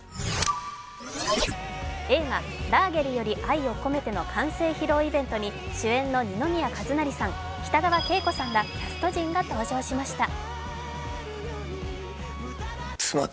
映画「ラーゲリより愛を込めて」の完成披露イベントに主演の二宮和也さん、北川景子さんらキャスト陣が登場しました。